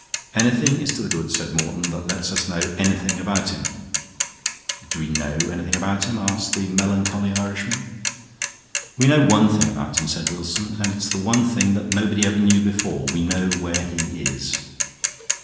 "Anything is to the good," said Morton, "that lets us know anything about him." "Do we know anything about him?" asked the melancholy Irishman. "We know one thing about him," said Wilson, "and it's the one thing that nobody ever knew before. We know where he is."